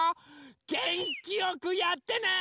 げんきよくやってね！